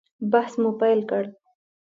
بحث مو پیل کړ.